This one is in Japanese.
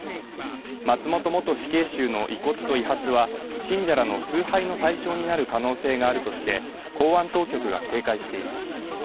松本元死刑囚の遺骨と遺髪は信者らの崇拝の対象になる可能性があるとして公安当局が警戒しています。